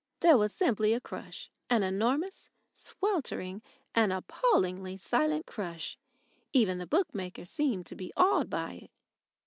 There was simply a crush an enormous, sweltering, and appallingly silent crush. Even the bookmakers seemed to be awed by it.